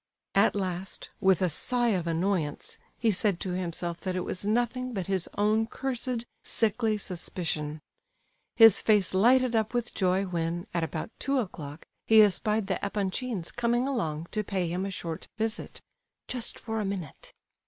At last, with a sigh of annoyance, he said to himself that it was nothing but his own cursed sickly suspicion. His face lighted up with joy when, at about two o'clock, he espied the Epanchins coming along to pay him a short visit, "just for a minute."